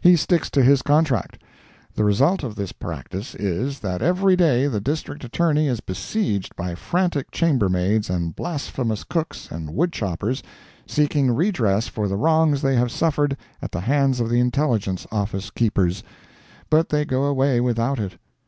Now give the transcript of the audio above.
He sticks to his contract. The result of this practice is, that every day the District Attorney is besieged by frantic chambermaids and blasphemous cooks and wood choppers, seeking redress for the wrongs they have suffered at the hands of the intelligence office keepers; but they go away without it.